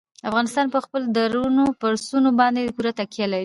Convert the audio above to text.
افغانستان په خپلو درنو پسونو باندې پوره تکیه لري.